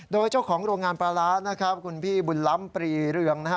โดยเจ้าของโรงงานปลาร้านะครับคุณพี่บุญล้ำปรีเรืองนะฮะ